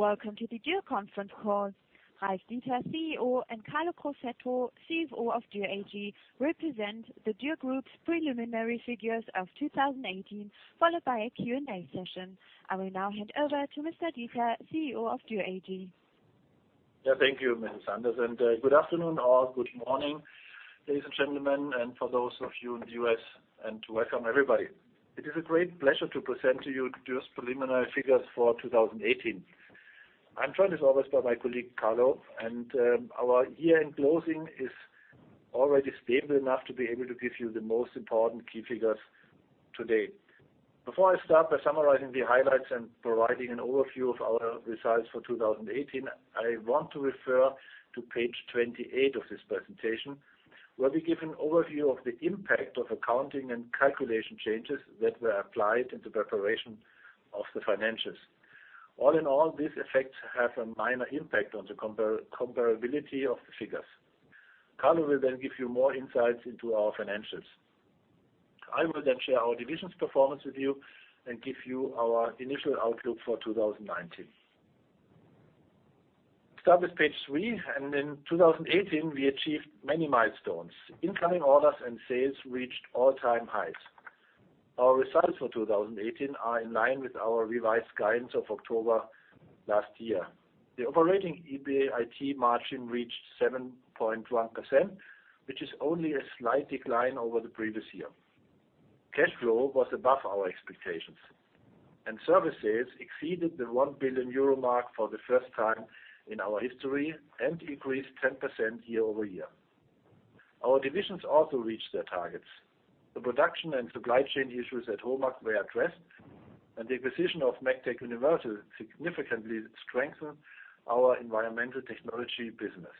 Welcome to the Dürr Conference Call. Ralf Dieter, CEO, and Carlo Crosetto, CFO of Dürr AG, will present the Dürr Group's preliminary figures of 2018, followed by a Q&A session. I will now hand over to Mr. Dieter, CEO of Dürr AG. Thank you, Mrs. Anders. Good afternoon or good morning, ladies and gentlemen, and for those of you in the U.S., and welcome everybody. It is a great pleasure to present to you Dürr's preliminary figures for 2018. I'm joined as always by my colleague, Carlo, and our year-end closing is already stable enough to be able to give you the most important key figures today. Before I start by summarizing the highlights and providing an overview of our results for 2018, I want to refer to page 28 of this presentation, where we give an overview of the impact of accounting and calculation changes that were applied in the preparation of the financials. All in all, these effects have a minor impact on the comparability of the figures. Carlo will then give you more insights into our financials. I will then share our division's performance with you and give you our initial outlook for 2019. Start with page three, and in 2018, we achieved many milestones. Incoming orders and sales reached all-time highs. Our results for 2018 are in line with our revised guidance of October last year. The operating EBIT margin reached 7.1%, which is only a slight decline over the previous year. Cash flow was above our expectations, and service sales exceeded the 1 billion euro mark for the first time in our history and increased 10% year over year. Our divisions also reached their targets. The production and supply chain issues at Homag were addressed, and the acquisition of Megtec Universal significantly strengthened our environmental technology business.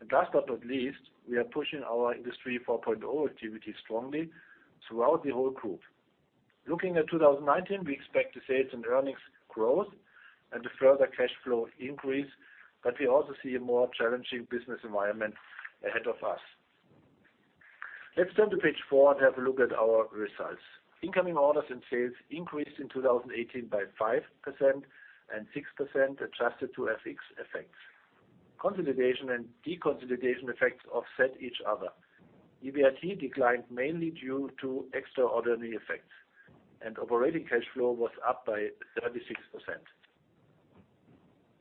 And last but not least, we are pushing our Industry 4.0 activity strongly throughout the whole group. Looking at 2019, we expect the sales and earnings growth and a further cash flow increase, but we also see a more challenging business environment ahead of us. Let's turn to page four and have a look at our results. Incoming orders and sales increased in 2018 by 5% and 6%, adjusted to FX effects. Consolidation and deconsolidation effects offset each other. EBIT declined mainly due to extraordinary effects, and operating cash flow was up by 36%.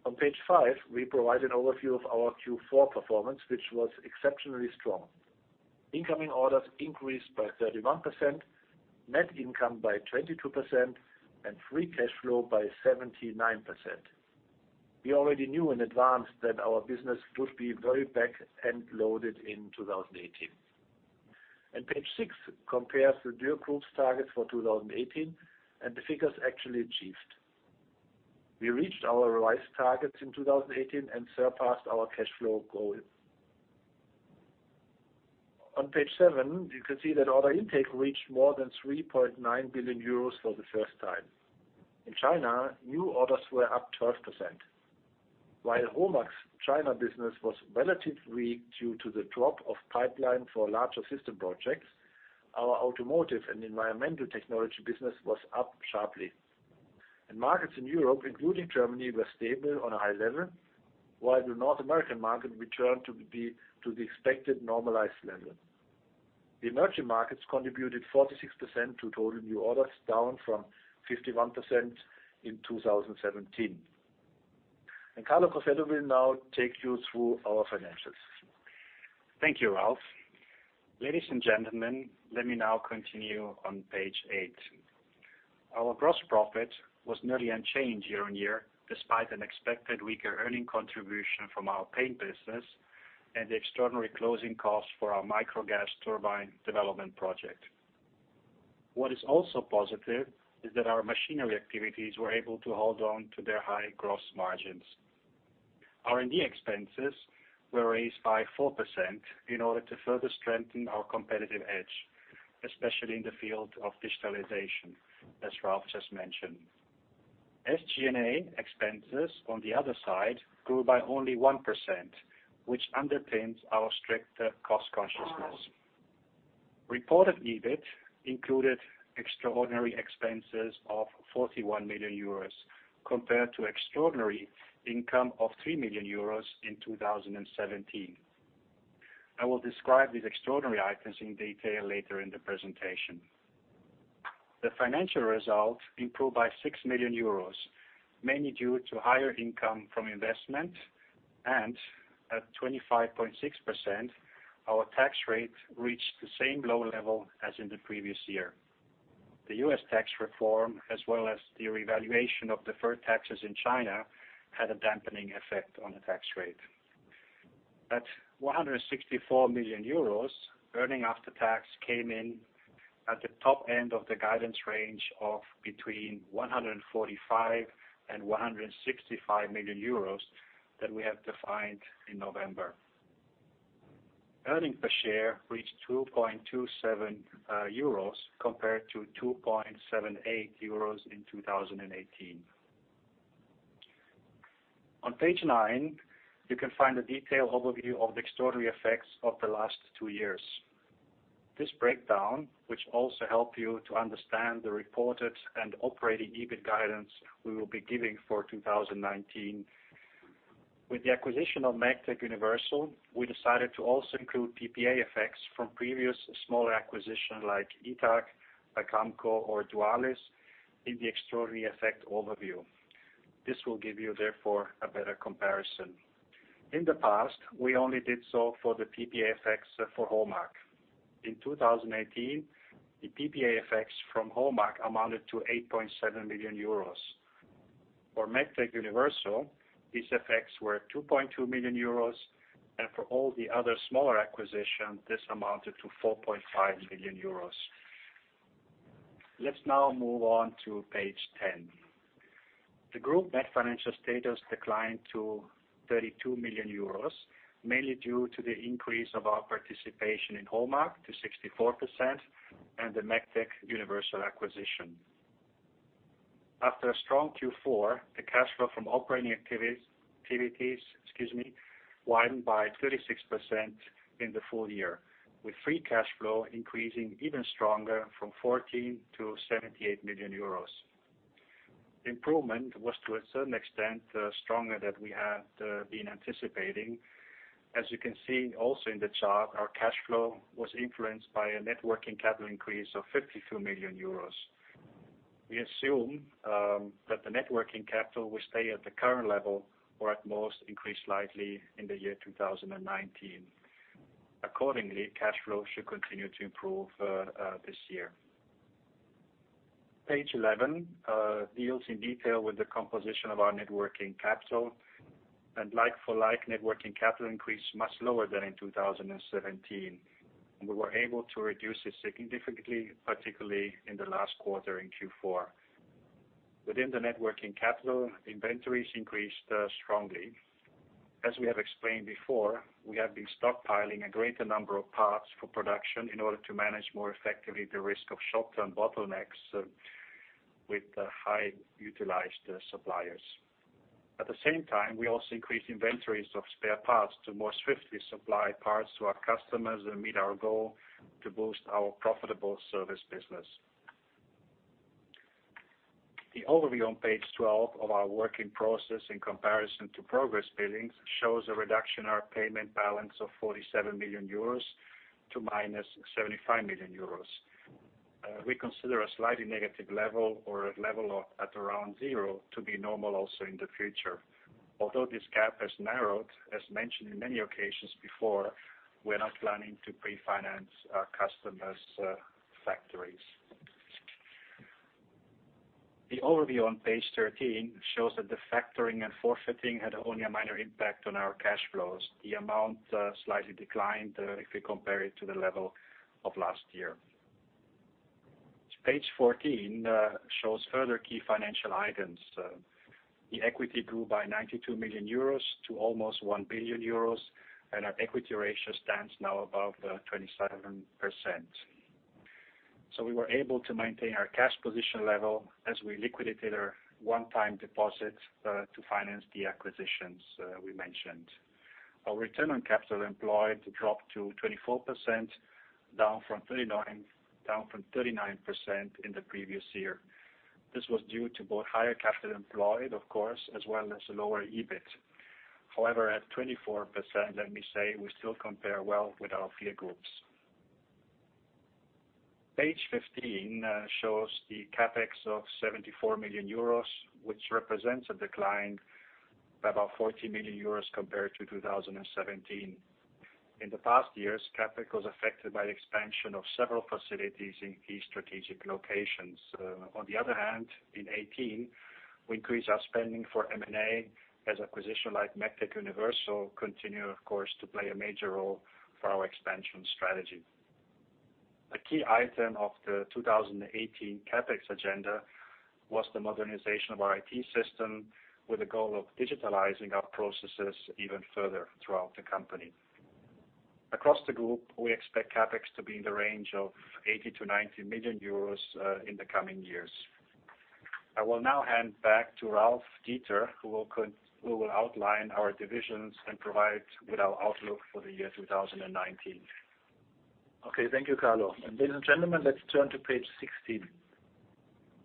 On page five, we provide an overview of our Q4 performance, which was exceptionally strong. Incoming orders increased by 31%, net income by 22%, and free cash flow by 79%. We already knew in advance that our business would be very back-end loaded in 2018, and page six compares the Dürr Group's targets for 2018 and the figures actually achieved. We reached our revised targets in 2018 and surpassed our cash flow goal. On page seven, you can see that order intake reached more than 3.9 billion euros for the first time. In China, new orders were up 12%. While Homag's China business was relatively weak due to the drop of pipeline for larger system projects, our automotive and environmental technology business was up sharply. And markets in Europe, including Germany, were stable on a high level, while the North American market returned to the expected normalized level. The emerging markets contributed 46% to total new orders, down from 51% in 2017. And Carlo Crosetto will now take you through our financials. Thank you, Ralf. Ladies and gentlemen, let me now continue on page eight. Our gross profit was nearly unchanged year on year, despite an expected weaker earning contribution from our paint business and the extraordinary closing costs for our microgas turbine development project. What is also positive is that our machinery activities were able to hold on to their high gross margins. R&D expenses were raised by 4% in order to further strengthen our competitive edge, especially in the field of digitalization, as Ralf just mentioned. SG&A expenses, on the other side, grew by only 1%, which underpins our strict cost consciousness. Reported EBIT included extraordinary expenses of 41 million euros, compared to extraordinary income of 3 million euros in 2017. I will describe these extraordinary items in detail later in the presentation. The financial result improved by €6 million, mainly due to higher income from investment, and at 25.6%, our tax rate reached the same low level as in the previous year. The U.S. tax reform, as well as the revaluation of deferred taxes in China, had a dampening effect on the tax rate. At €164 million, earnings after tax came in at the top end of the guidance range of between €145 and €165 million that we have defined in November. Earnings per share reached €2.27 compared to €2.78 in 2018. On page nine, you can find a detailed overview of the extraordinary effects of the last two years. This breakdown, which also helps you to understand the reported and operating EBIT guidance we will be giving for 2019. With the acquisition of Megtec Universal, we decided to also include PPA effects from previous smaller acquisitions like iTAC, Agramkow, or Dualis in the extraordinary effect overview. This will give you, therefore, a better comparison. In the past, we only did so for the PPA effects for Homag. In 2018, the PPA effects from Homag amounted to 8.7 million euros. For Megtec Universal, these effects were 2.2 million euros, and for all the other smaller acquisitions, this amounted to 4.5 million euros. Let's now move on to page 10. The group net financial status declined to 32 million euros, mainly due to the increase of our participation in Homag to 64% and the Megtec Universal acquisition. After a strong Q4, the cash flow from operating activities widened by 36% in the full year, with free cash flow increasing even stronger from 14 to 78 million euros. The improvement was, to a certain extent, stronger than we had been anticipating. As you can see also in the chart, our cash flow was influenced by a net working capital increase of 52 million euros. We assume that the net working capital will stay at the current level or at most increase slightly in the year 2019. Accordingly, cash flow should continue to improve this year. Page 11 deals in detail with the composition of our net working capital, and like-for-like net working capital increase much lower than in 2017. We were able to reduce it significantly, particularly in the last quarter in Q4. Within the net working capital, inventories increased strongly. As we have explained before, we have been stockpiling a greater number of parts for production in order to manage more effectively the risk of short-term bottlenecks with high-utilized suppliers. At the same time, we also increased inventories of spare parts to more swiftly supply parts to our customers and meet our goal to boost our profitable service business. The overview on page 12 of our work in process in comparison to progress billings shows a reduction in our payment balance of 47 million euros to -75 million euros. We consider a slightly negative level or a level at around zero to be normal also in the future. Although this gap has narrowed, as mentioned on many occasions before, we are not planning to pre-finance our customers' factories. The overview on page 13 shows that the factoring and forfaiting had only a minor impact on our cash flows. The amount slightly declined if we compare it to the level of last year. Page 14 shows further key financial items. The equity grew by €92 million to almost €1 billion, and our equity ratio stands now above 27%. So we were able to maintain our cash position level as we liquidated our one-time deposit to finance the acquisitions we mentioned. Our return on capital employed dropped to 24%, down from 39% in the previous year. This was due to both higher capital employed, of course, as well as lower EBIT. However, at 24%, let me say, we still compare well with our peer groups. Page 15 shows the CapEx of €74 million, which represents a decline by about €40 million compared to 2017. In the past years, CapEx was affected by the expansion of several facilities in key strategic locations. On the other hand, in 2018, we increased our spending for M&A as acquisitions like Megtec Universal continue, of course, to play a major role for our expansion strategy. A key item of the 2018 CapEx agenda was the modernization of our IT system, with the goal of digitalizing our processes even further throughout the company. Across the group, we expect CapEx to be in the range of 80-90 million euros in the coming years. I will now hand back to Ralf Dieter, who will outline our divisions and provide with our outlook for the year 2019. Okay, thank you, Carlo. Ladies and gentlemen, let's turn to page 16.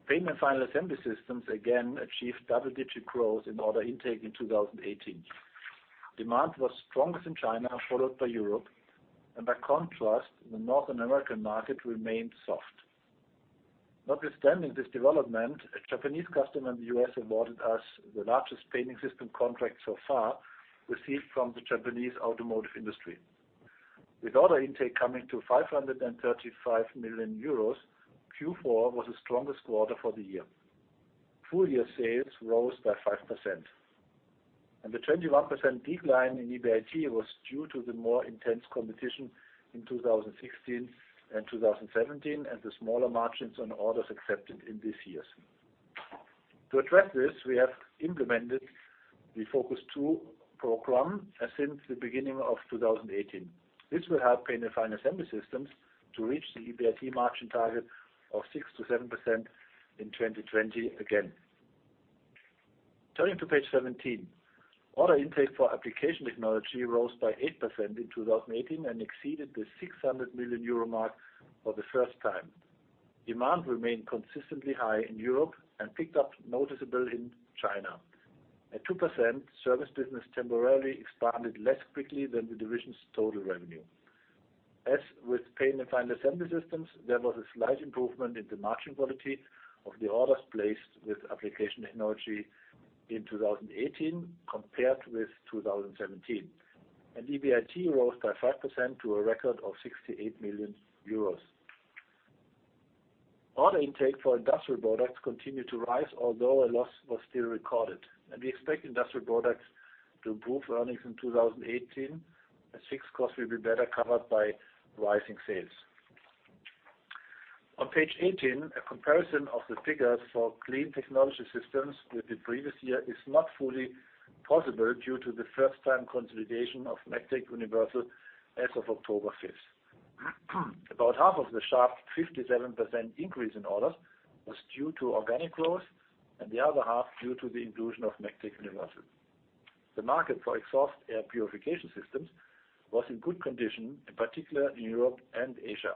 Paint and Final Assembly Systems again achieved double-digit growth in order intake in 2018. Demand was strongest in China, followed by Europe, and by contrast, the North American market remained soft. Notwithstanding this development, a Japanese customer in the U.S. awarded us the largest painting system contract so far received from the Japanese automotive industry. With order intake coming to 535 million euros, Q4 was the strongest quarter for the year. Full year sales rose by 5%. And the 21% decline in EBIT was due to the more intense competition in 2016 and 2017 and the smaller margins on orders accepted in these years. To address this, we have implemented the FOCUS 2.0 program since the beginning of 2018. This will help Paint and Final Assembly Systems to reach the EBIT margin target of 6%-7% in 2020 again. Turning to page 17, order intake for application technology rose by 8% in 2018 and exceeded the 600 million euro mark for the first time. Demand remained consistently high in Europe and picked up noticeably in China. At 2%, service business temporarily expanded less quickly than the division's total revenue. As with paint and final assembly systems, there was a slight improvement in the margin quality of the orders placed with application technology in 2018 compared with 2017. And EBIT rose by 5% to a record of 68 million euros. Order intake for industrial products continued to rise, although a loss was still recorded. And we expect industrial products to improve earnings in 2018 as fixed costs will be better covered by rising sales. On page 18, a comparison of the figures for Clean Technology Systems with the previous year is not fully possible due to the first-time consolidation of Megtec Universal as of October 5. About half of the sharp 57% increase in orders was due to organic growth, and the other half due to the inclusion of Megtec Universal. The market for exhaust air purification systems was in good condition, in particular in Europe and Asia.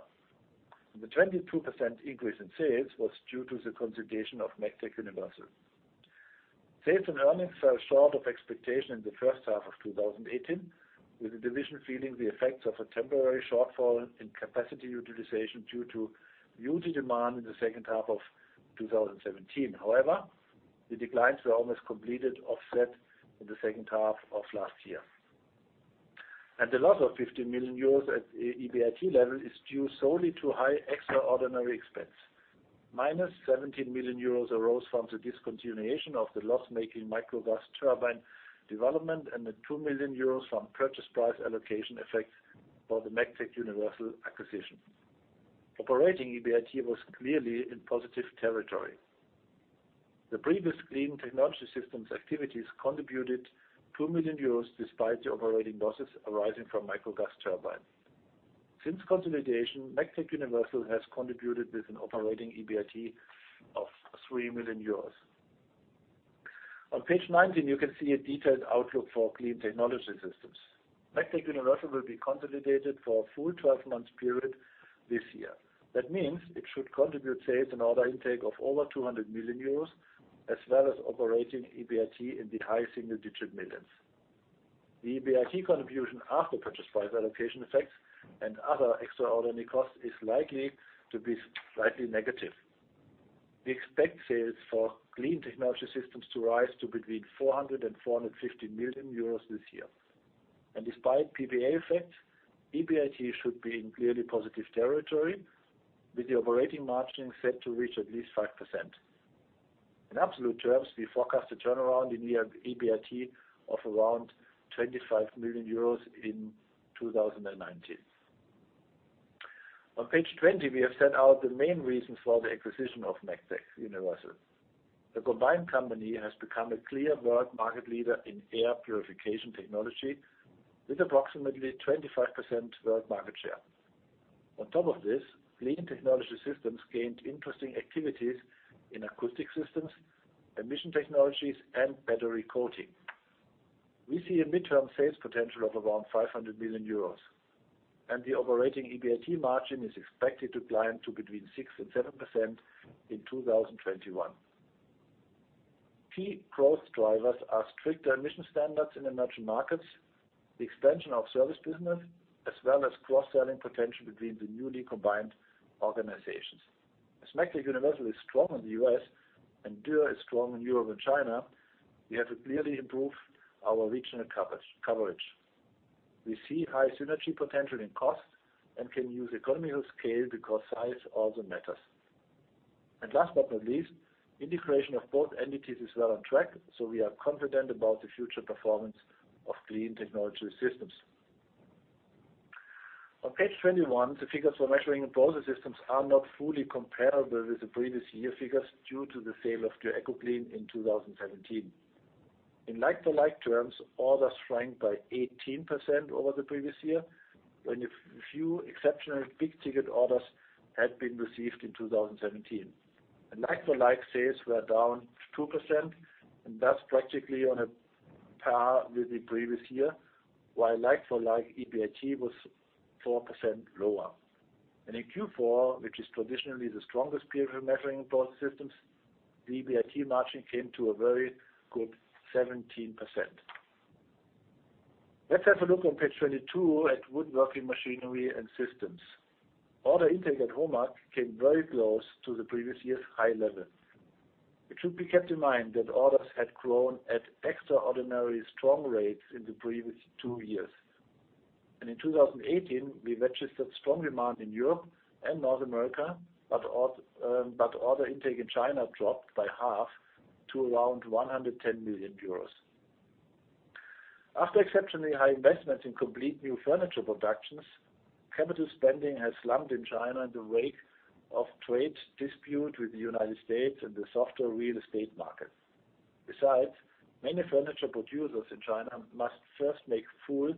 The 22% increase in sales was due to the consolidation of Megtec Universal. Sales and earnings fell short of expectation in the first half of 2018, with the division feeling the effects of a temporary shortfall in capacity utilization due to huge demand in the second half of 2017. However, the declines were almost completely offset in the second half of last year. The loss of 50 million euros at EBIT level is due solely to high extraordinary expense. Minus 17 million euros arose from the discontinuation of the loss-making microgas turbine development and the 2 million euros from purchase price allocation effects for the Megtec Universal acquisition. Operating EBIT was clearly in positive territory. The previous Clean Technology Systems activities contributed 2 million euros despite the operating losses arising from microgas turbines. Since consolidation, Megtec Universal has contributed with an operating EBIT of 3 million. On page 19, you can see a detailed outlook for Clean Technology Systems. Megtec Universal will be consolidated for a full 12-month period this year. That means it should contribute sales and order intake of over 200 million euros, as well as operating EBIT in the high single-digit millions. The EBIT contribution after purchase price allocation effects and other extraordinary costs is likely to be slightly negative. We expect sales for Clean Technology Systems to rise to between 400 million euros and 450 million euros this year. And despite PPA effects, EBIT should be in clearly positive territory, with the operating margin set to reach at least 5%. In absolute terms, we forecast a turnaround in year EBIT of around 25 million euros in 2019. On page 20, we have set out the main reasons for the acquisition of Megtec Universal. The combined company has become a clear world market leader in air purification technology, with approximately 25% world market share. On top of this, Clean Technology Systems gained interesting activities in acoustic systems, emission technologies, and battery coating. We see a midterm sales potential of around 500 million euros, and the operating EBIT margin is expected to climb to between 6% and 7% in 2021. Key growth drivers are stricter emission standards in emerging markets, the expansion of service business, as well as cross-selling potential between the newly combined organizations. As Megtec Universal is strong in the U.S. and Dürr is strong in Europe and China, we have to clearly improve our regional coverage. We see high synergy potential in cost and can use economical scale because size also matters, and last but not least, integration of both entities is well on track, so we are confident about the future performance of Clean Technology Systems. On page 21, the figures for Measuring and Process Systems are not fully comparable with the previous year figures due to the sale of Dürr Ecoclean in 2017. In like-for-like terms, orders shrank by 18% over the previous year when a few exceptional big-ticket orders had been received in 2017. Like-for-like sales were down 2% and thus practically on a par with the previous year, while like-for-like EBIT was 4% lower. In Q4, which is traditionally the strongest period for Measuring and Process Systems, the EBIT margin came to a very good 17%. Let's have a look on page 22 at woodworking machinery and systems. Order intake at Homag came very close to the previous year's high level. It should be kept in mind that orders had grown at extraordinarily strong rates in the previous two years. In 2018, we registered strong demand in Europe and North America, but order intake in China dropped by half to around 110 million euros. After exceptionally high investments in complete new furniture productions, capital spending has slumped in China in the wake of trade dispute with the United States and the softer real estate market. Besides, many furniture producers in China must first make full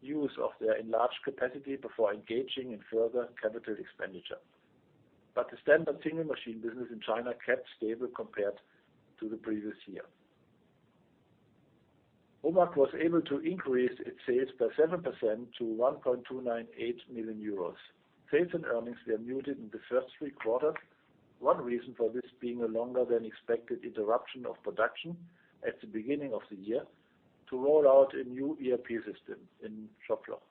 use of their enlarged capacity before engaging in further capital expenditure. But the standard single machine business in China kept stable compared to the previous year. Homag was able to increase its sales by 7% to 1.298 million euros. Sales and earnings were muted in the first three quarters, one reason for this being a longer-than-expected interruption of production at the beginning of the year to roll out a new ERP system in Schopfloch.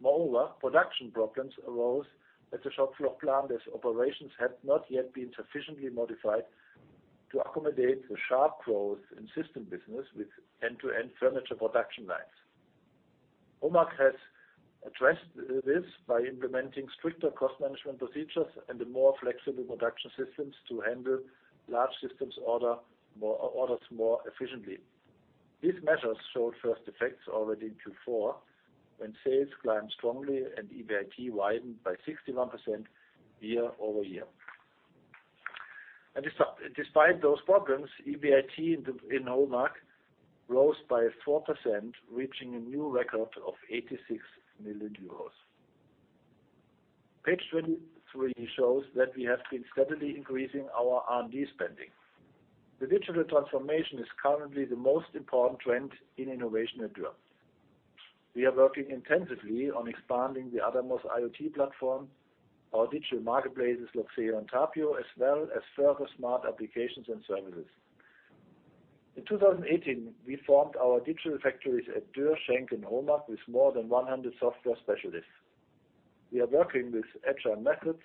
Moreover, production problems arose at the Schopfloch plant as operations had not yet been sufficiently modified to accommodate the sharp growth in system business with end-to-end furniture production lines. Homag has addressed this by implementing stricter cost management procedures and more flexible production systems to handle large systems orders more efficiently. These measures showed first effects already in Q4 when sales climbed strongly and EBIT widened by 61% year over year. And despite those problems, EBIT in Homag rose by 4%, reaching a new record of 86 million euros. Page 23 shows that we have been steadily increasing our R&D spending. The digital transformation is currently the most important trend in innovation at Dürr. We are working intensively on expanding the ADAMOS IoT platform, our digital marketplaces like LOXEO and Tapio, as well as further smart applications and services. In 2018, we formed our digital factories at Dürr, Schenk, and Homag with more than 100 software specialists. We are working with agile methods.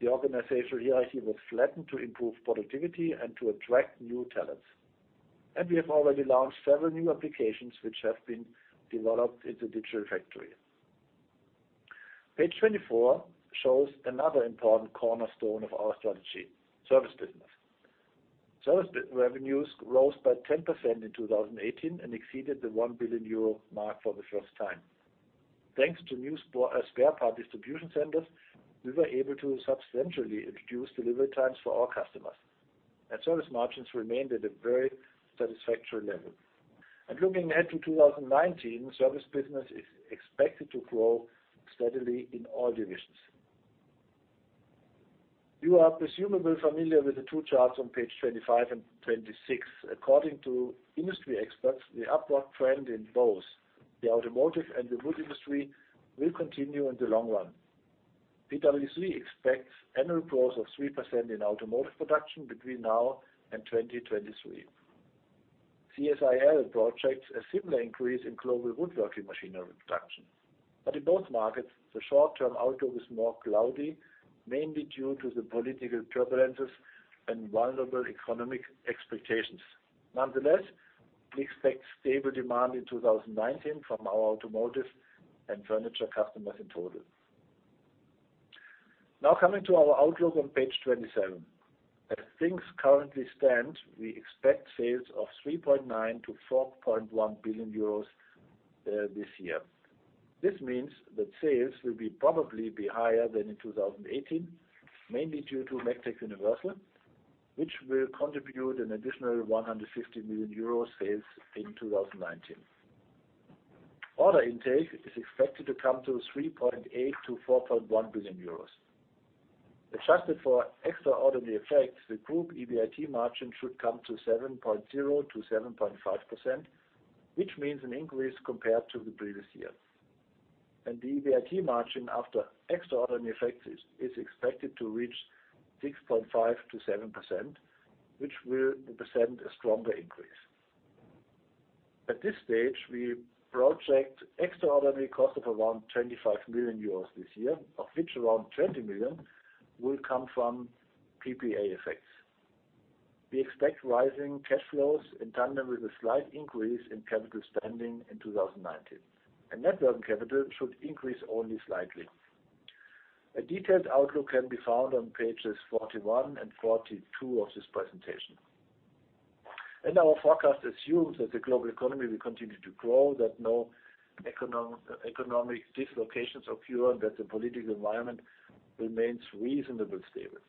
The organizational hierarchy was flattened to improve productivity and to attract new talents. And we have already launched several new applications which have been developed in the digital factory. Page 24 shows another important cornerstone of our strategy: service business. Service revenues rose by 10% in 2018 and exceeded the 1 billion euro mark for the first time. Thanks to new spare part distribution centers, we were able to substantially reduce delivery times for our customers, and service margins remained at a very satisfactory level, and looking ahead to 2019, service business is expected to grow steadily in all divisions. You are presumably familiar with the two charts on page 25 and 26. According to industry experts, the upward trend in both the automotive and the wood industry will continue in the long run. PwC expects annual growth of 3% in automotive production between now and 2023. CSIL projects a similar increase in global woodworking machinery production, but in both markets, the short-term outlook is more cloudy, mainly due to the political turbulences and vulnerable economic expectations. Nonetheless, we expect stable demand in 2019 from our automotive and furniture customers in total. Now coming to our outlook on page 27. As things currently stand, we expect sales of €3.9-€4.1 billion this year. This means that sales will probably be higher than in 2018, mainly due to Megtec Universal, which will contribute an additional €150 million sales in 2019. Order intake is expected to come to €3.8-€4.1 billion. Adjusted for extraordinary effects, the group EBIT margin should come to 7.0%-7.5%, which means an increase compared to the previous year. The EBIT margin after extraordinary effects is expected to reach 6.5%-7%, which will represent a stronger increase. At this stage, we project extraordinary costs of around €25 million this year, of which around €20 million will come from PPA effects. We expect rising cash flows in tandem with a slight increase in capital spending in 2019. And net working capital should increase only slightly. A detailed outlook can be found on pages 41 and 42 of this presentation. And our forecast assumes that the global economy will continue to grow, that no economic dislocations occur, and that the political environment remains reasonably stable.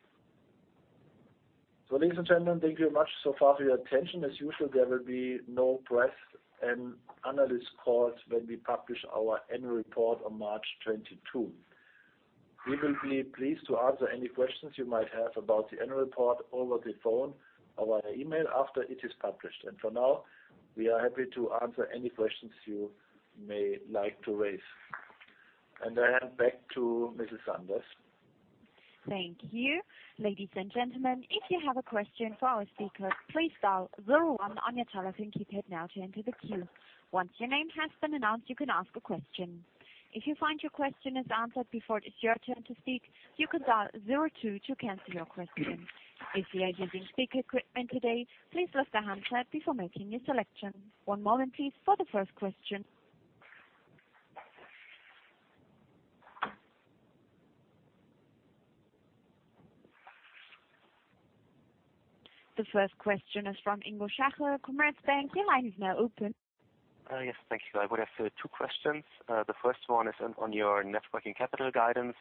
So ladies and gentlemen, thank you very much so far for your attention. As usual, there will be no press and analyst calls when we publish our annual report on March 22. We will be pleased to answer any questions you might have about the annual report over the phone or via email after it is published. And for now, we are happy to answer any questions you may like to raise. And I hand back to Mrs. Anders. Thank you. Ladies and gentlemen, if you have a question for our speakers, please dial zero one on your telephone keypad now to enter the queue. Once your name has been announced, you can ask a question. If you find your question is answered before it is your turn to speak, you can dial zero two to cancel your question. If you are using speaker equipment today, please lift the handset up before making your selection. One moment, please, for the first question. The first question is from Ingo Schaller, Commerzbank. Your line is now open. Yes, thank you. I would have two questions. The first one is on your net working capital guidance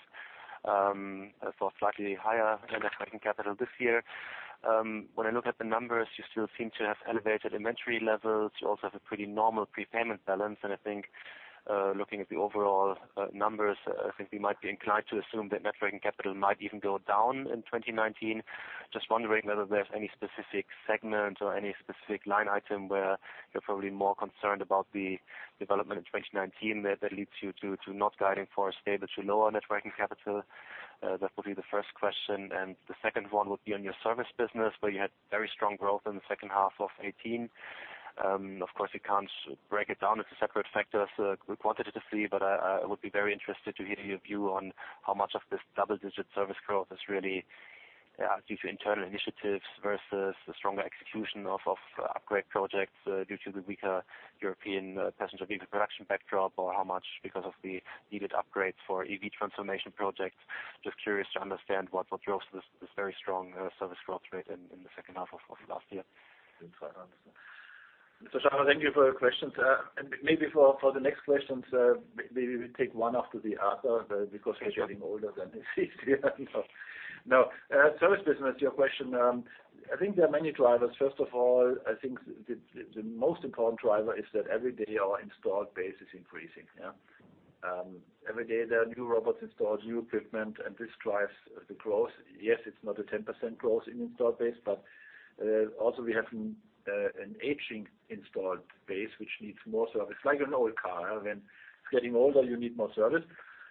for slightly higher net working capital this year. When I look at the numbers, you still seem to have elevated inventory levels. You also have a pretty normal prepayment balance. I think looking at the overall numbers, I think we might be inclined to assume that net working capital might even go down in 2019. Just wondering whether there's any specific segment or any specific line item where you're probably more concerned about the development in 2019 that leads you to not guiding for a stable to lower net working capital. That would be the first question. The second one would be on your service business, where you had very strong growth in the second half of 2018. Of course, we can't break it down into separate factors quantitatively, but I would be very interested to hear your view on how much of this double-digit service growth is really due to internal initiatives versus the stronger execution of upgrade projects due to the weaker European passenger vehicle production backdrop, or how much because of the needed upgrades for EV transformation projects? Just curious to understand what drove this very strong service growth rate in the second half of last year. Mr. Schaller, thank you for your questions. And maybe for the next questions, maybe we take one after the other because we're getting a lot of them this year. No. Service business, your question. I think there are many drivers. First of all, I think the most important driver is that every day our installed base is increasing. Every day, there are new robots installed, new equipment, and this drives the growth. Yes, it's not a 10% growth in installed base, but also we have an aging installed base which needs more service, like an old car. When it's getting older, you need more service,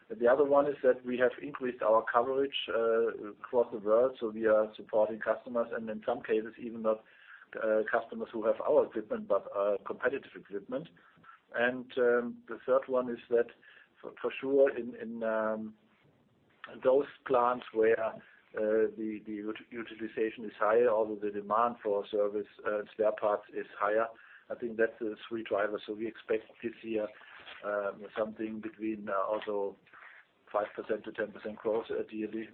and the other one is that we have increased our coverage across the world, so we are supporting customers, and in some cases, even not customers who have our equipment but competitive equipment, and the third one is that for sure, in those plants where the utilization is higher, although the demand for service and spare parts is higher, I think that's the three drivers, so we expect this year something between also 5%-10% growth daily.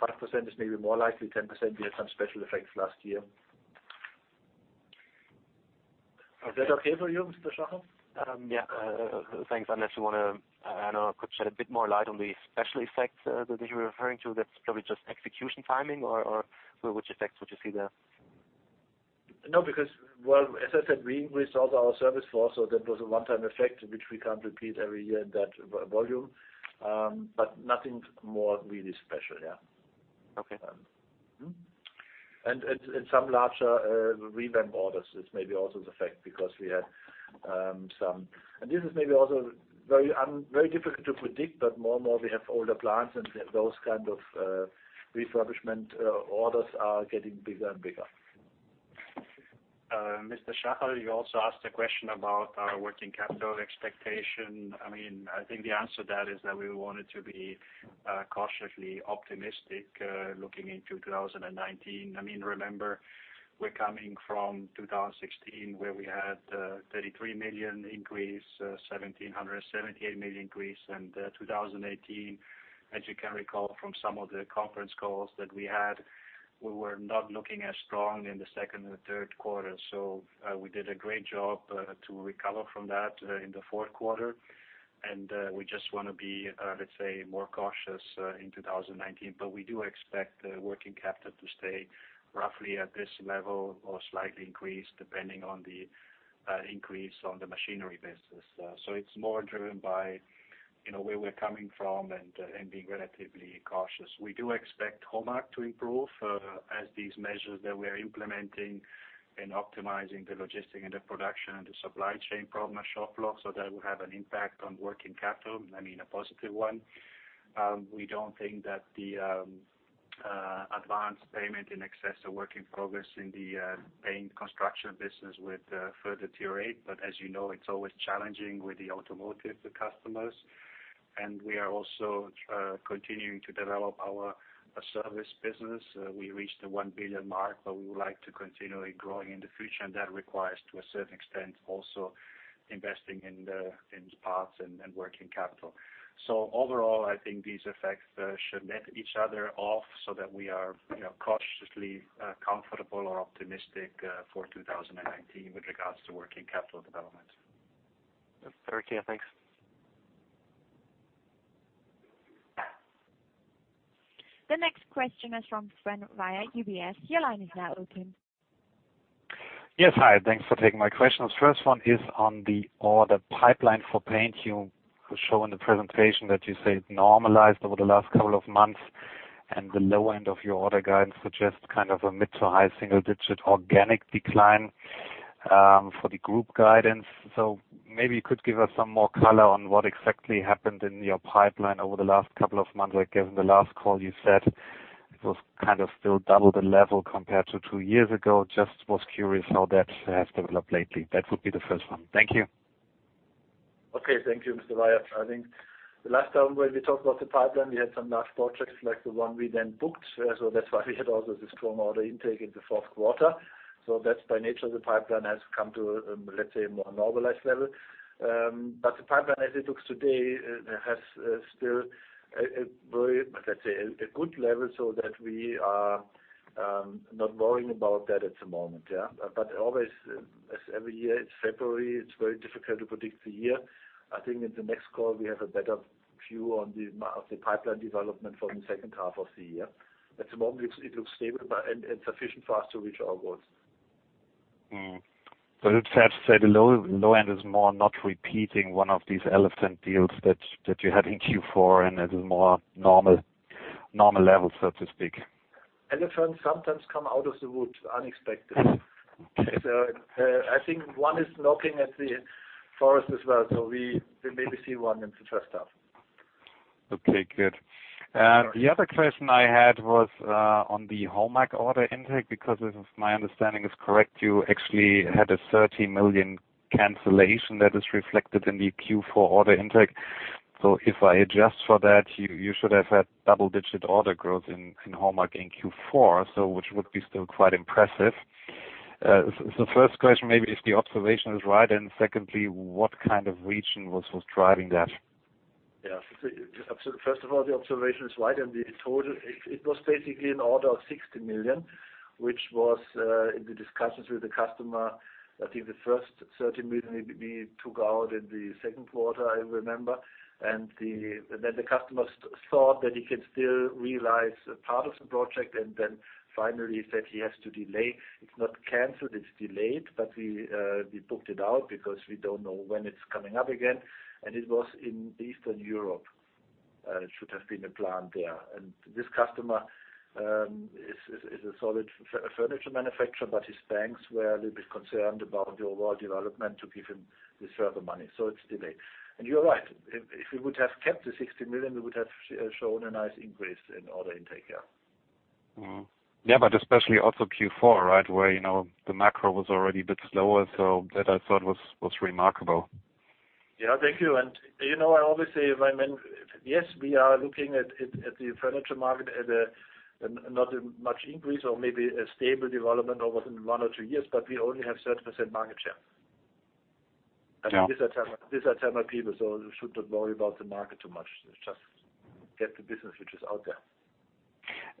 5% is maybe more likely, 10%, we had some special effects last year. Is that okay for you, Mr. Schaller? Yeah. Thanks. Unless you want to, I don't know, shed a bit more light on the special effects that you're referring to, that's probably just execution timing, or which effects would you see there? No, because, well, as I said, we increased also our cash flow, so that was a one-time effect which we can't repeat every year in that volume. But nothing more really special, yeah. Okay And in some larger revamp orders, it's maybe also the fact because we had some. And this is maybe also very difficult to predict, but more and more we have older plants, and those kind of refurbishment orders are getting bigger and bigger. Mr. Schaller, you also asked a question about our working capital expectation. I mean, I think the answer to that is that we wanted to be cautiously optimistic looking into 2019. I mean, remember, we're coming from 2016 where we had a 33 million increase, 1,778 million increase, and 2018, as you can recall from some of the conference calls that we had, we were not looking as strong in the second and third quarter, so we did a great job to recover from that in the fourth quarter, and we just want to be, let's say, more cautious in 2019, but we do expect working capital to stay roughly at this level or slightly increased, depending on the increase on the machinery basis, so it's more driven by where we're coming from and being relatively cautious. We do expect Homag to improve as these measures that we are implementing and optimizing the logistic and the production and the supply chain problem at Schopfloch, so that will have an impact on working capital, I mean, a positive one. We don't think that the advance payments in excess of work in progress in the paint and final assembly business would further deteriorate. But as you know, it's always challenging with the automotive customers. And we are also continuing to develop our service business. We reached the 1 billion mark, but we would like to continue growing in the future. And that requires, to a certain extent, also investing in parts and working capital. So overall, I think these effects should net each other off so that we are cautiously comfortable or optimistic for 2019 with regards to working capital development. Very clear. Thanks. The next question is from Sven Weier, UBS. Your line is now open. Yes. Hi. Thanks for taking my questions. First one is on the order pipeline for paint. You show in the presentation that you said normalized over the last couple of months. And the lower end of your order guidance suggests kind of a mid- to high single-digit organic decline for the group guidance. So maybe you could give us some more color on what exactly happened in your pipeline over the last couple of months. I guess in the last call, you said it was kind of still double the level compared to two years ago. Just was curious how that has developed lately. That would be the first one. Thank you. Okay. Thank you, Mr. Weier. I think the last time when we talked about the pipeline, we had some large projects like the one we then booked. So that's why we had also the strong order intake in the fourth quarter. So that's by nature of the pipeline has come to, let's say, a more normalized level. But the pipeline, as it looks today, has still a very, let's say, a good level so that we are not worrying about that at the moment, yeah. But always, as every year, it's February. It's very difficult to predict the year. I think in the next call, we have a better view of the pipeline development for the second half of the year. At the moment, it looks stable and sufficient for us to reach our goals. So it's fair to say the lower end is more not repeating one of these elephant deals that you had in Q4, and it is more normal level, so to speak. Elephants sometimes come out of the wood unexpected. So I think one is knocking at the forest as well. So we maybe see one in the first half. Okay. Good. The other question I had was on the Homag order intake. Because if my understanding is correct, you actually had a 30 million cancellation that is reflected in the Q4 order intake. So if I adjust for that, you should have had double-digit order growth in Homag in Q4, which would be still quite impressive. So first question, maybe if the observation is right, and secondly, what kind of region was driving that? Yeah. First of all, the observation is right. And it was basically an order of 60 million, which was in the discussions with the customer. I think the first 30 million we took out in the second quarter, I remember. And then the customer thought that he can still realize part of the project and then finally said he has to delay. It's not canceled, it's delayed, but we booked it out because we don't know when it's coming up again. And it was in Eastern Europe. It should have been a plan there, and this customer is a solid furniture manufacturer, but his banks were a little bit concerned about the overall development to give him this further money. So it's delayed, and you're right. If we would have kept the 60 million, we would have shown a nice increase in order intake. Yeah, but especially also Q4, right, where the macro was already a bit slower. So that I thought was remarkable. Yeah. Thank you, and I always say, my men, yes, we are looking at the furniture market at a not much increase or maybe a stable development over one or two years, but we only have 30% market share. And these are Tamar people, so we should not worry about the market too much. Just get the business which is out there.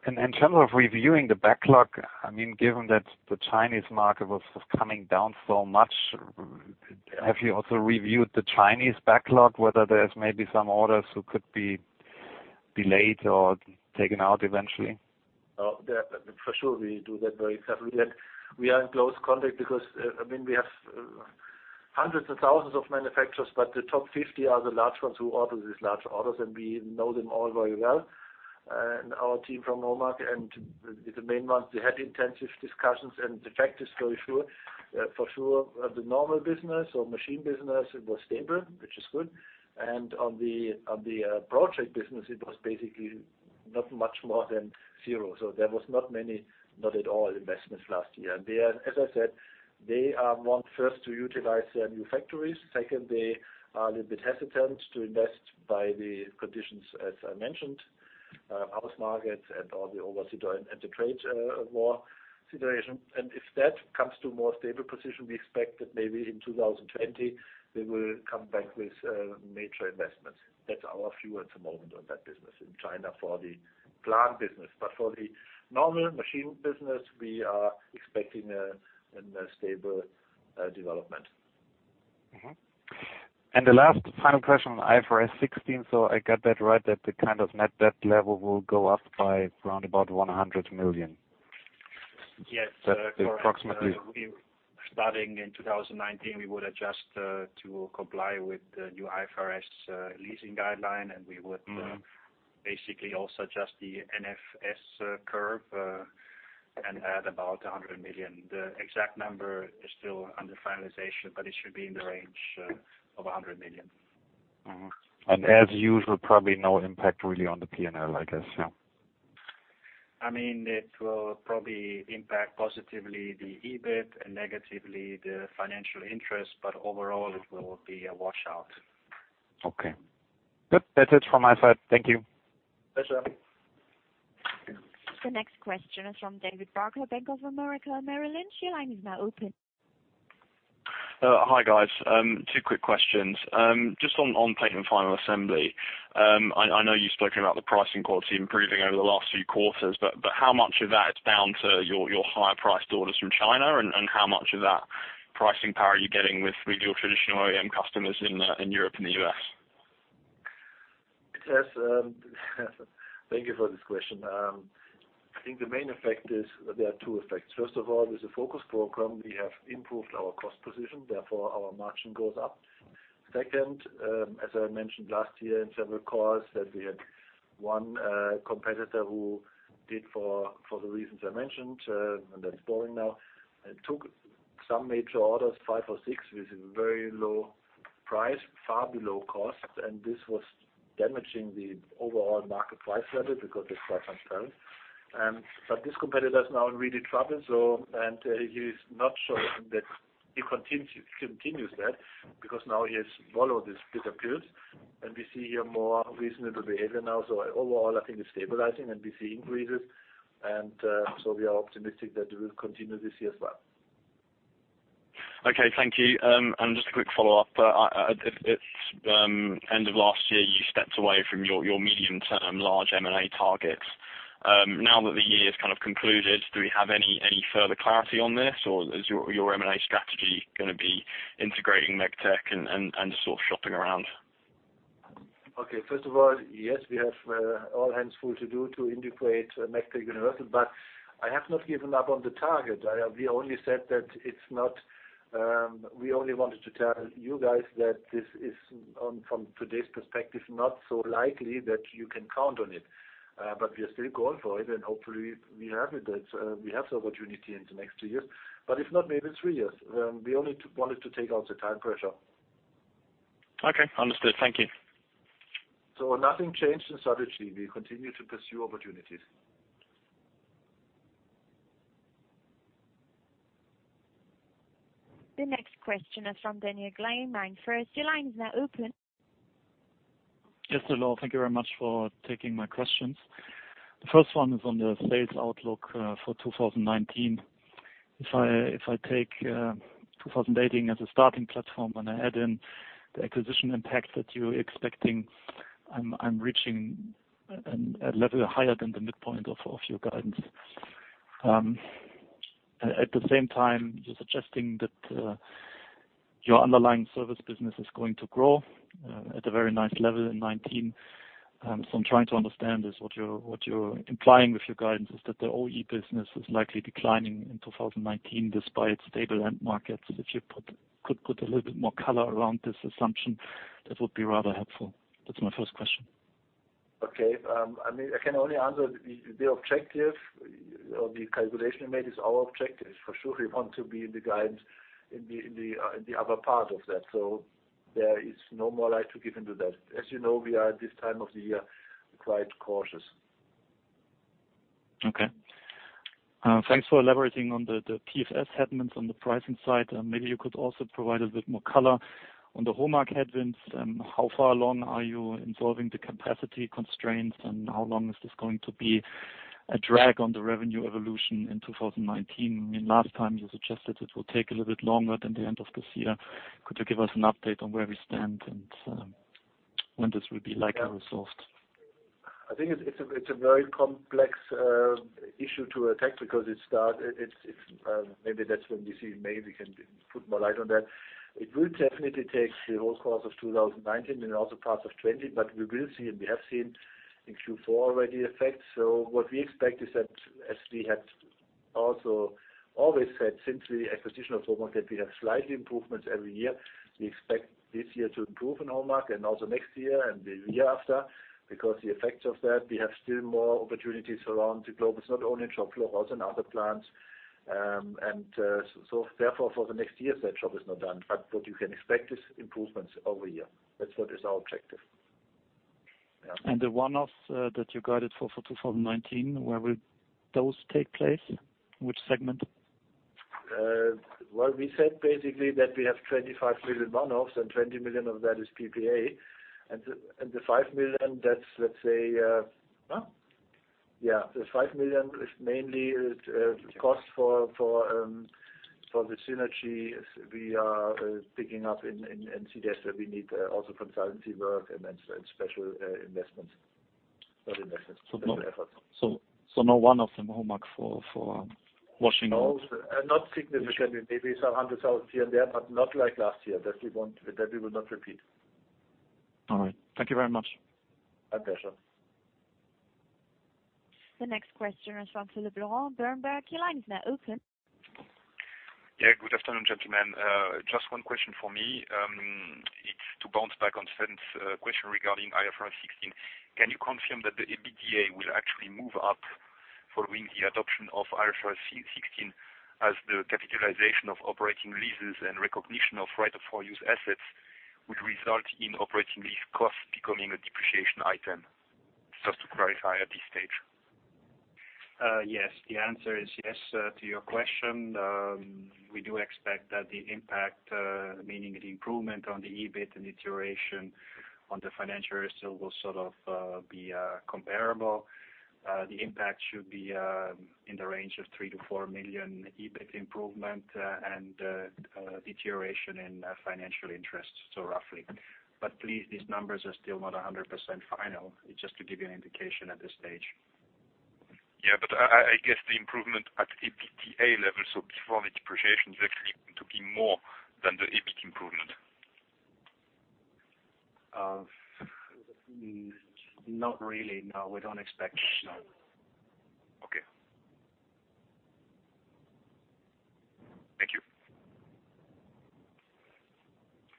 In terms of reviewing the backlog, I mean, given that the Chinese market was coming down so much, have you also reviewed the Chinese backlog, whether there's maybe some orders who could be delayed or taken out eventually? For sure, we do that very carefully. We are in close contact because, I mean, we have hundreds and thousands of manufacturers, but the top 50 are the large ones who order these large orders, and we know them all very well. Our team from Homag, and the main ones, they had intensive discussions. The fact is, for sure, the normal business or machine business, it was stable, which is good. On the project business, it was basically not much more than zero. There was not many, not at all, investments last year. As I said, they want first to utilize their new factories. Second, they are a little bit hesitant to invest by the conditions, as I mentioned, home markets and all the overseas and the trade war situation. If that comes to a more stable position, we expect that maybe in 2020, they will come back with major investments. That's our view at the moment on that business in China for the paint business. But for the normal machine business, we are expecting a stable development. The last final question I have for IFRS 16, so I got that right, that the kind of net debt level will go up by around about 100 million. Yes. So approximately. Starting in 2019, we would adjust to comply with the new IFRS leasing guideline, and we would basically also adjust the net debt curve and add about 100 million. The exact number is still under finalization, but it should be in the range of 100 million. And as usual, probably no impact really on the P&L, I guess, yeah. I mean, it will probably impact positively the EBIT and negatively the financial interest, but overall, it will be a washout. Okay. Good. That's it from my side. Thank you. Pleasure. The next question is from David Bobker, Bank of America Merrill Lynch. Your line is now open. Hi, guys. Two quick questions. Just on paint and final assembly, I know you've spoken about the price and quality improving over the last few quarters, but how much of that is bound to your higher-priced orders from China, and how much of that pricing power are you getting with your traditional OEM customers in Europe and the U.S.? Yes. Thank you for this question. I think the main effect is there are two effects. First of all, there's a focus program. We have improved our cost position. Therefore, our margin goes up. Second, as I mentioned last year in several calls, that we had one competitor who did for the reasons I mentioned, and that's over now. It took some major orders, five or six, with very low price, far below cost, and this was damaging the overall market price level because it's quite transparent. But this competitor is now in real trouble, and he's not showing that he continues that because now he has swallowed the bitter pill, and we see more reasonable behavior now. So overall, I think it's stabilizing, and we see increases. And so we are optimistic that it will continue this year as well. Okay. Thank you. And just a quick follow-up. At the end of last year, you stepped away from your medium-term large M&A targets. Now that the year has kind of concluded, do we have any further clarity on this, or is your M&A strategy going to be integrating Megtec and sort of shopping around? Okay. First of all, yes, we have all hands full to do to integrate Megtec Universal, but I have not given up on the target. We only said that it's not. We only wanted to tell you guys that this is, from today's perspective, not so likely that you can count on it. But we are still going for it, and hopefully, we have it. We have the opportunity in the next two years. But if not, maybe three years. We only wanted to take out the time pressure. Okay. Understood. Thank you. So nothing changed in strategy. We continue to pursue opportunities. The next question is from Daniel Gleim, MainFirst. Your line is now open. Yes, Noel. Thank you very much for taking my questions. The first one is on the sales outlook for 2019. If I take 2018 as a starting platform and I add in the acquisition impact that you're expecting, I'm reaching a level higher than the midpoint of your guidance. At the same time, you're suggesting that your underlying service business is going to grow at a very nice level in 2019. So I'm trying to understand what you're implying with your guidance is that the OE business is likely declining in 2019 despite stable end markets. If you could put a little bit more color around this assumption, that would be rather helpful. That's my first question. Okay. I mean, I can only answer the objective or the calculation you made is our objective. For sure, we want to be in the guidance in the upper part of that. So there is no more light to shed on that. As you know, we are at this time of the year quite cautious. Okay. Thanks for elaborating on the PFS headwinds on the pricing side. Maybe you could also provide a little bit more color on the Homag headwinds. How far along are you in solving the capacity constraints, and how long is this going to be a drag on the revenue evolution in 2019? I mean, last time, you suggested it will take a little bit longer than the end of this year. Could you give us an update on where we stand and when this will be likely resolved? I think it's a very complex issue to attack because it's started. Maybe that's when we see maybe we can put more light on that. It will definitely take the whole course of 2019 and also parts of 2020, but we will see, and we have seen in Q4 already effects. So what we expect is that, as we had also always said since the acquisition of Homag, that we have slight improvements every year. We expect this year to improve in Homag and also next year and the year after because the effects of that, we have still more opportunities around the globe. It's not only in Schopfloch, also in other plants. Therefore, for the next years, that job is not done. What you can expect is improvements over a year. That's what is our objective. The one-offs that you guided for 2019, where will those take place? Which segment? We said basically that we have 25 million one-offs, and 20 million of that is PPA. And the 5 million, that's, let's say, yeah. The 5 million is mainly cost for the synergy we are picking up in NCDS, where we need also consultancy work and special investments. Not investments, but legal efforts. So no one-off in Homag for washing? No, not significantly. Maybe some 100,000 here and there, but not like last year. That we will not repeat. All right. Thank you very much. My pleasure. The next question is from Philippe Lorrain, Berenberg. Your line is now open. Yeah. Good afternoon, gentlemen. Just one question for me. It's to bounce back on the second question regarding IFRS 16. Can you confirm that the EBITDA will actually move up following the adoption of IFRS 16 as the capitalization of operating leases and recognition of right-of-use assets would result in operating lease costs becoming a depreciation item? Just to clarify at this stage. Yes. The answer is yes to your question. We do expect that the impact, meaning the improvement on the EBIT and deterioration on the financials, still will sort of be comparable. The impact should be in the range of 3-4 million EUR EBIT improvement and deterioration in financial result, so roughly. But please, these numbers are still not 100% final. It's just to give you an indication at this stage. Yeah. But I guess the improvement at EBITDA level, so before the depreciation, is actually to be more than the EBIT improvement? Not really. No, we don't expect that. No. Okay. Thank you.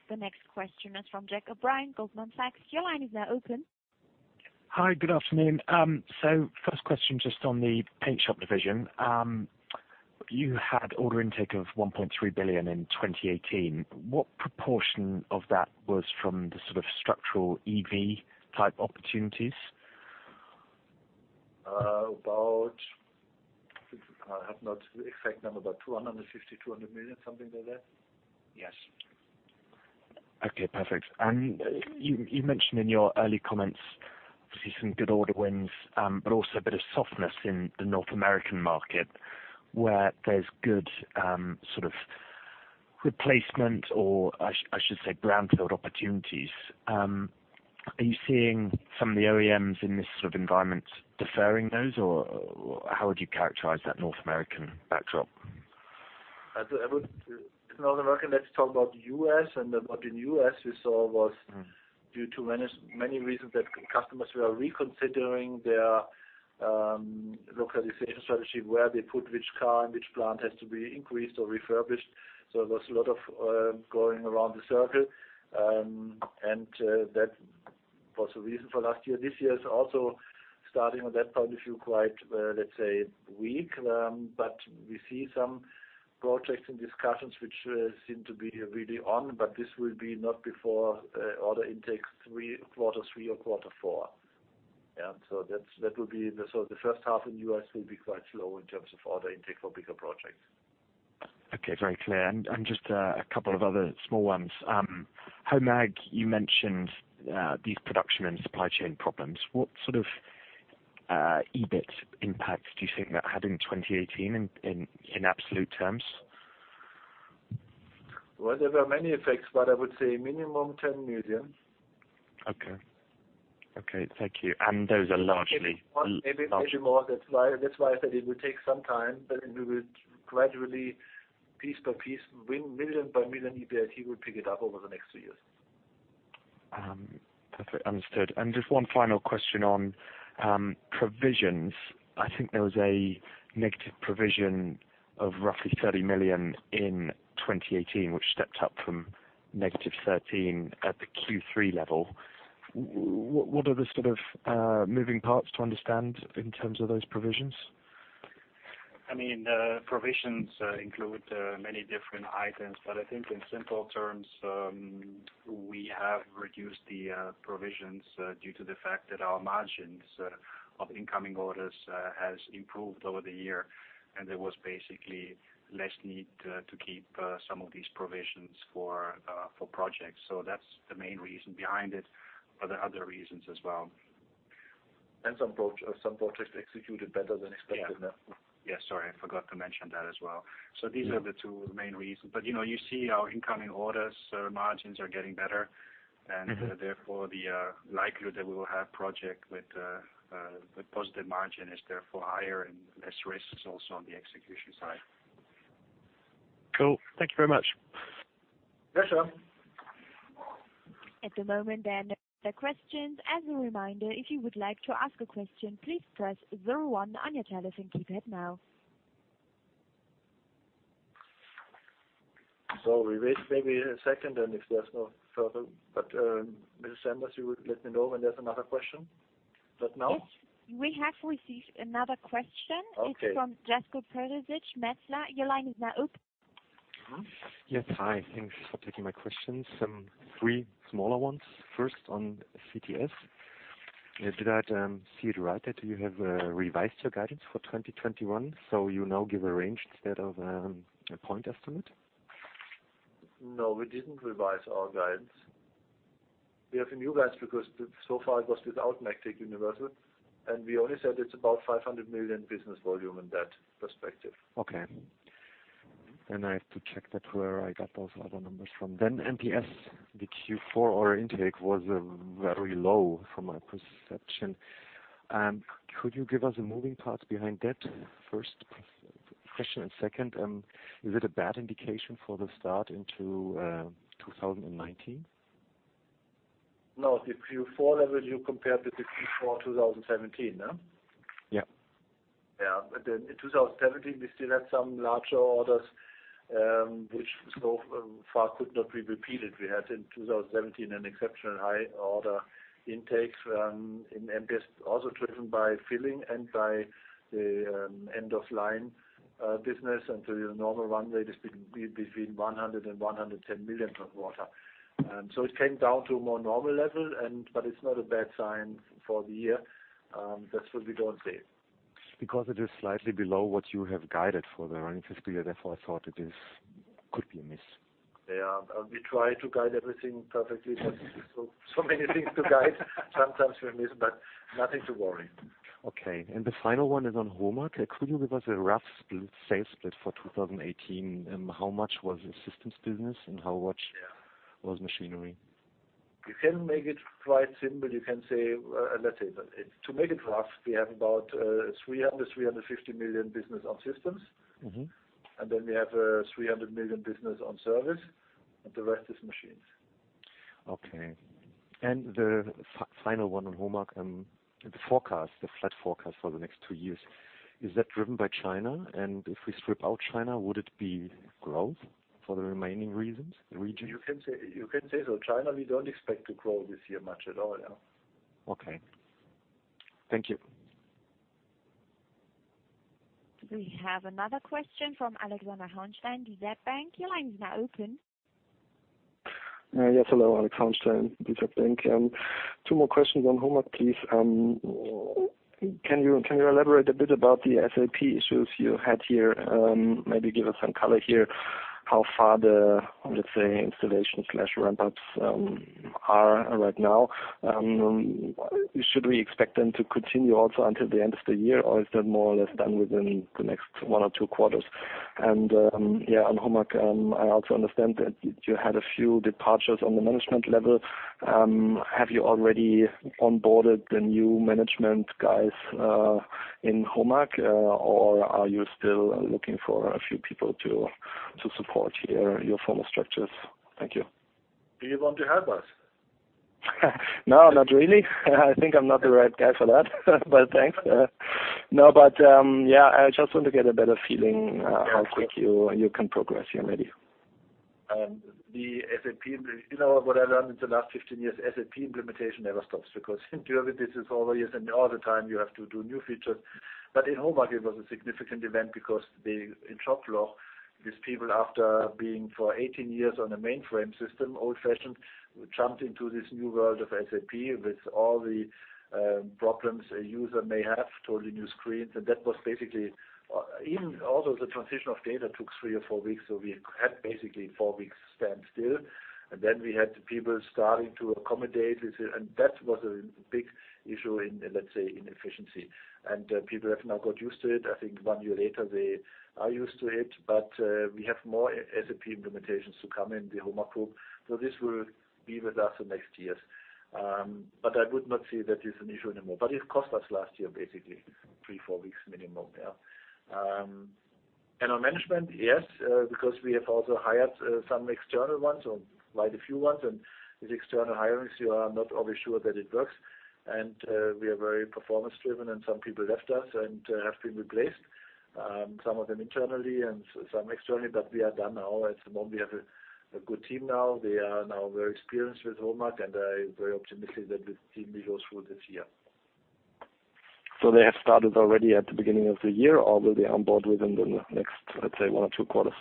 The next question is from Jack O'Brien, Goldman Sachs. Your line is now open. Hi. Good afternoon. So first question just on the paint shop division. You had order intake of 1.3 billion in 2018. What proportion of that was from the sort of structural EV-type opportunities? About I have not the exact number, but 250 million, 200 million, something like that. Yes. Okay. Perfect. And you mentioned in your early comments obviously some good order wins, but also a bit of softness in the North American market where there's good sort of replacement or, I should say, brownfield opportunities. Are you seeing some of the OEMs in this sort of environment deferring those, or how would you characterize that North American backdrop? North American, let's talk about the U.S.. And what in the U.S. we saw was due to many reasons that customers were reconsidering their localization strategy, where they put which car and which plant has to be increased or refurbished. So there was a lot of going around the circle. And that was the reason for last year. This year is also, starting on that point of view, quite, let's say, weak. But we see some projects and discussions which seem to be really on, but this will be not before order intake quarter three or quarter four. Yeah. So that will be the first half in the U.S. will be quite slow in terms of order intake for bigger projects. Okay. Very clear. And just a couple of other small ones. Homag, you mentioned these production and supply chain problems. What sort of EBIT impacts do you think that had in 2018 in absolute terms? Well, there were many effects, but I would say minimum 10 million. Okay. Okay. Thank you. And those are largely large. Maybe more. That's why I said it will take some time, but we will gradually, piece by piece, million by million EBIT, he will pick it up over the next two years. Perfect. Understood. And just one final question on provisions. I think there was a negative provision of roughly 30 million in 2018, which stepped up from negative 13 at the Q3 level. What are the sort of moving parts to understand in terms of those provisions? I mean, provisions include many different items, but I think in simple terms, we have reduced the provisions due to the fact that our margins of incoming orders have improved over the year, and there was basically less need to keep some of these provisions for projects. So that's the main reason behind it, but there are other reasons as well. And some projects executed better than expected now. Yeah. Sorry. I forgot to mention that as well. So these are the two main reasons. But you see our incoming orders' margins are getting better, and therefore, the likelihood that we will have a project with positive margin is therefore higher and less risk also on the execution side. Cool. Thank you very much. Pleasure. At the moment, there are no other questions. As a reminder, if you would like to ask a question, please press zero one on your telephone keypad now. So we wait maybe a second, and if there's no further but Mrs. Anders, you will let me know when there's another question. Not now? We have received another question. It's from Jasko Terzic, Metzler. Your line is now open. Yes. Hi. Thanks for taking my questions. Three smaller ones. First, on CTS. Did I see it right that you have revised your guidance for 2021, so you now give a range instead of a point estimate? No, we didn't revise our guidance. We have a new guidance because so far, it was without Megtec Universal, and we only said it's about 500 million business volume in that perspective. Okay. Then I have to check that, where I got those other numbers from. Then MPS, the Q4 order intake, was very low from my perception. Could you give us a moving part behind that? First question. And second, is it a bad indication for the start into 2019? No. The Q4 level, you compared with the Q4 2017, no? Yeah. Yeah. But in 2017, we still had some larger orders which so far could not be repeated. We had in 2017 an exceptionally high order intake, and MPS, also driven by filling and by the end-of-line business, and the normal run rate is between 100 million and 110 million per quarter, so it came down to a more normal level, but it's not a bad sign for the year. That's what we don't see. Because it is slightly below what you have guided for the running fiscal year, therefore I thought it could be a miss. Yeah. We try to guide everything perfectly, but so many things to guide, sometimes we miss, but nothing to worry. Okay, and the final one is on Homag. Could you give us a rough sales split for 2018? How much was systems business and how much was machinery? You can make it quite simple. You can say, let's say, to make it rough, we have about 300 million-350 million business on systems, and then we have 300 million business on service, and the rest is machines. Okay. And the final one on Homag, the forecast, the flat forecast for the next two years, is that driven by China? And if we strip out China, would it be growth for the remaining regions? You can say so. China, we don't expect to grow this year much at all, yeah. Okay. Thank you. We have another question from Alexander Hohn, Deutsche Bank. Your line is now open. Yes. Hello, Alexander Hohn, Deutsche Bank. Two more questions on Homag, please. Can you elaborate a bit about the SAP issues you had here? Maybe give us some color here how far the, let's say, installation/ramp-ups are right now. Should we expect them to continue also until the end of the year, or is that more or less done within the next one or two quarters? And yeah, on Homag, I also understand that you had a few departures on the management level. Have you already onboarded the new management guys in Homag, or are you still looking for a few people to support your former structures? Thank you. Do you want to help us? No, not really. I think I'm not the right guy for that, but thanks. No, but yeah, I just want to get a better feeling of how quick you can progress here maybe. The SAP, you know, what I learned in the last 15 years? SAP implementation never stops because during this is always and all the time you have to do new features. But in Homag, it was a significant event because in Schopfloch, these people, after being for 18 years on a mainframe system, old-fashioned, jumped into this new world of SAP with all the problems a user may have, totally new screens. And that was basically even though the transition of data took three or four weeks, so we had basically four weeks standstill. And then we had people starting to accommodate, and that was a big issue in, let's say, inefficiency. And people have now got used to it. I think one year later, they are used to it, but we have more SAP implementations to come in the Homag Group. So this will be with us the next years. But I would not see that it's an issue anymore. But it cost us last year, basically, three, four weeks minimum, yeah. On management, yes, because we have also hired some external ones, or quite a few ones, and these external hirings, you are not always sure that it works. We are very performance-driven, and some people left us and have been replaced, some of them internally and some externally, but we are done now. At the moment, we have a good team. They are very experienced with Homag, and I'm very optimistic that the team will go through this year. So they have started already at the beginning of the year, or will they onboard within the next, let's say, one or two quarters?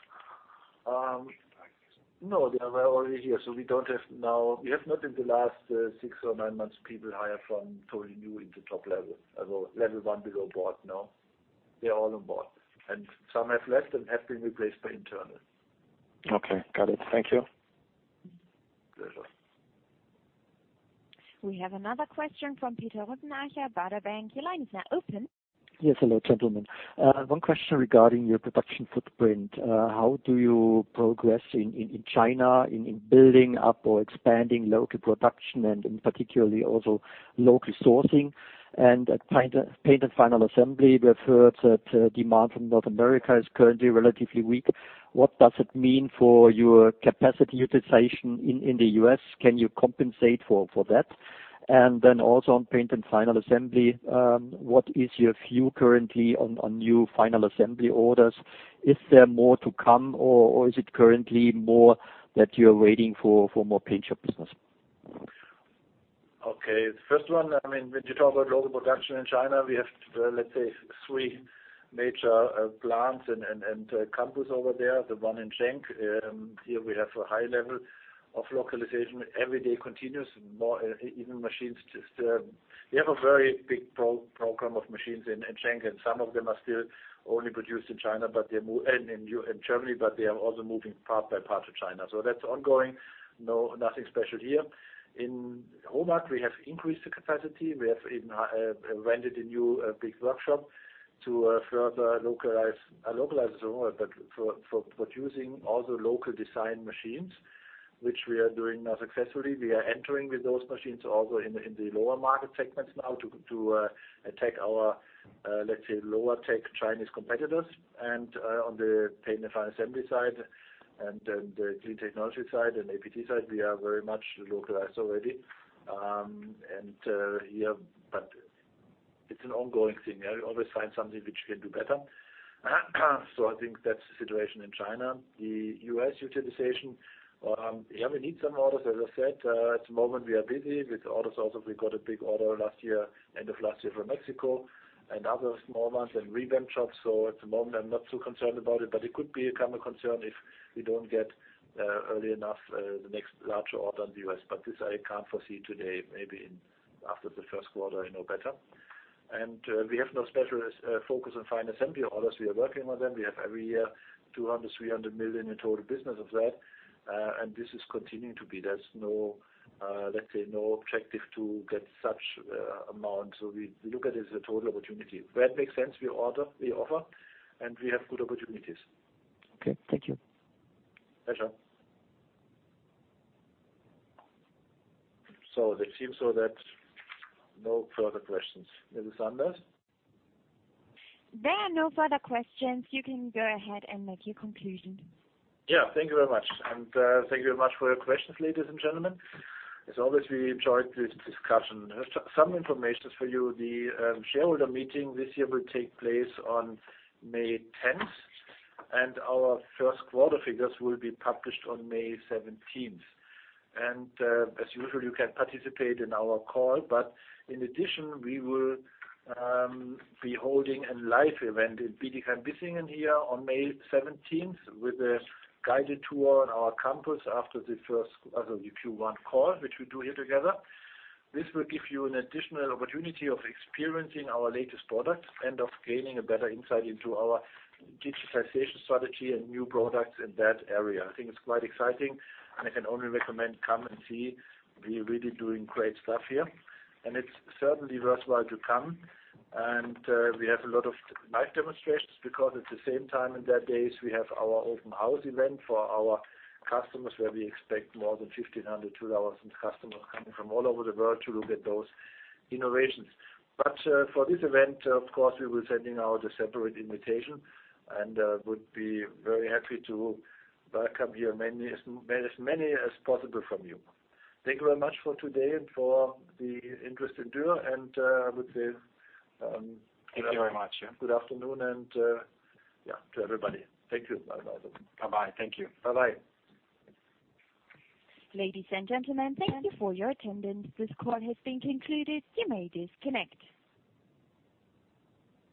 No, they were already here, so we don't have. Now we have not in the last six or nine months people hired from totally new into top level, level one below board, no. They're all on board. And some have left and have been replaced by internal. Okay. Got it. Thank you. Pleasure. We have another question from Peter Rothenaicher, Baader Bank. Your line is now open. Yes. Hello, gentlemen. One question regarding your production footprint. How do you progress in China, in building up or expanding local production and particularly also local sourcing and paint and final assembly? We have heard that demand from North America is currently relatively weak. What does it mean for your capacity utilization in the U.S.? Can you compensate for that? And then also on paint and final assembly, what is your view currently on new final assembly orders? Is there more to come, or is it currently more that you're waiting for more paint shop business? Okay. The first one, I mean, when you talk about local production in China, we have, let's say, three major plants and campuses over there, the one in Shanghai. Here we have a high level of localization. Order intake continues, even machines still we have a very big program of machines in Shanghai, and some of them are still only produced in Germany, but they are also moving part by part to China. So that's ongoing. Nothing special here. In Homag, we have increased the capacity. We have even rented a new big workshop to further localize the Homag work, but for producing also local design machines, which we are doing now successfully. We are entering with those machines also in the lower market segments now to attack our, let's say, lower-tech Chinese competitors. On the paint and final assembly side and the clean technology side and APT side, we are very much localized already. Here, but it's an ongoing thing. We always find something which we can do better. I think that's the situation in China. The U.S. utilization, yeah, we need some orders, as I said. At the moment, we are busy with orders. Also, we got a big order last year, end of last year from Mexico and other small ones and paint shops. At the moment, I'm not too concerned about it, but it could become a concern if we don't get early enough the next larger order in the U.S. This I can't foresee today, maybe after the first quarter, I know better. We have no special focus on final assembly orders. We are working on them. We have every year 200 million-300 million in total business of that, and this is continuing to be. There's no, let's say, no objective to get such amount. So we look at it as a total opportunity. Where it makes sense, we offer, and we have good opportunities. Okay. Thank you. Pleasure. So it seems so that no further questions. Ms. Anders? There are no further questions. You can go ahead and make your conclusion. Yeah. Thank you very much, and thank you very much for your questions, ladies and gentlemen. As always, we enjoyed this discussion. Some information for you. The shareholder meeting this year will take place on May 10th, and our first quarter figures will be published on May 17th. As usual, you can participate in our call, but in addition, we will be holding a live event in Bietigheim-Bissingen here on May 17th with a guided tour on our campus after the first, so the Q1 call, which we do here together. This will give you an additional opportunity of experiencing our latest products and of gaining a better insight into our digitalization strategy and new products in that area. I think it's quite exciting, and I can only recommend come and see. We're really doing great stuff here, and it's certainly worthwhile to come. We have a lot of live demonstrations because at the same time in that days, we have our open house event for our customers where we expect more than 1,500-2,000 customers coming from all over the world to look at those innovations. But for this event, of course, we will be sending out a separate invitation and would be very happy to welcome here as many as possible from you. Thank you very much for today and for the interest in Dürr, and I would say good afternoon. Thank you very much. Yeah. Good afternoon and yeah, to everybody. Thank you. Bye-bye, everyone. Bye-bye. Thank you. Bye-bye. Ladies and gentlemen, thank you for your attendance. This call has been concluded. You may disconnect.